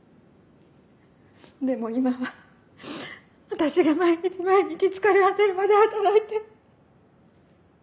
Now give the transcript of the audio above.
でも今は私が毎日毎日疲れ果てるまで働いて。